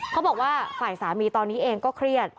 เขาบอกว่าฝ่ายสามีตอนนี้เองก็เครียด